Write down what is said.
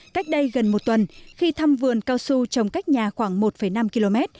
cách đây gần một tuần khi thăm vườn cao su trồng cách nhà khoảng một năm km